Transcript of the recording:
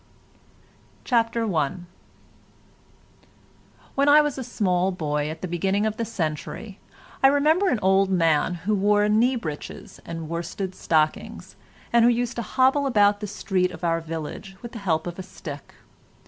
CHAPTER I When I was a small boy at the beginning of the century I remember an old man who wore knee breeches and worsted stockings, and who used to hobble about the street of our village with the help of a stick.